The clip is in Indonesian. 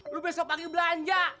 lu besok pagi belanja